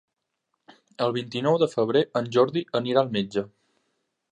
El vint-i-nou de febrer en Jordi anirà al metge.